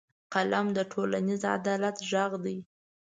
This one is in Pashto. قلم د ټولنیز عدالت غږ دی